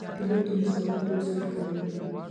پیلوټ د مخابراتو وسایل کاروي.